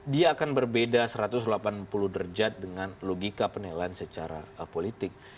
dia akan berbeda satu ratus delapan puluh derajat dengan logika penilaian secara politik